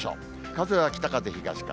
風は北風、東風。